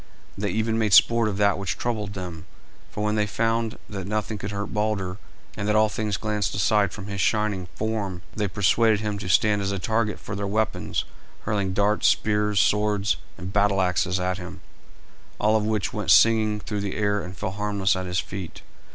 They even made sport of that which troubled them, for when they found that nothing could hurt Balder, and that all things glanced aside from his shining form, they persuaded him to stand as a target for their weapons; hurling darts, spears, swords, and battle axes at him, all of which went singing through the air and fell harmless at his feet.